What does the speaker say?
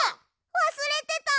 わすれてた！